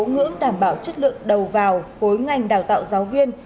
ngưỡng đảm bảo chất lượng đầu vào khối ngành đào tạo giáo viên